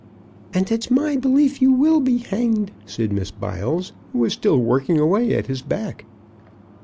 "And it's my belief you will be hanged," said Miss Biles, who was still working away at his back.